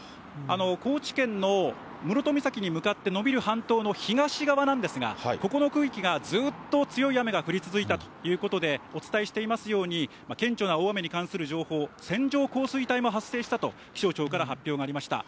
高知県の室戸岬に向かって延びる半島の東側なんですが、ここの区域がずっと強い雨が降り続いたということで、お伝えしていますように、顕著な大雨に関する情報、線状降水帯も発生したと気象庁から発表がありました。